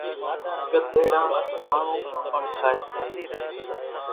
ڳڌيڙان ڌاڻون پڻ کائيَ سي۔